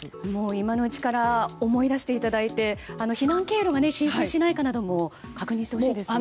今のうちから思い出していただいて避難経路が浸水しないかなども確認してほしいですね。